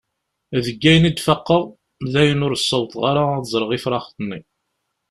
Deg ayen i d-faqeɣ, dayen ur ssawḍeɣ ara ad ẓreɣ ifrax-nni.